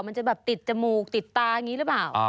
มันจะแบบติดจมูกติดตาอย่างนี้หรือเปล่า